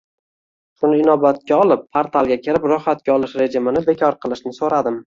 Shuni inobatga olib, portalga kirib, ro'yxatga olish rejimini bekor qilishni so'radim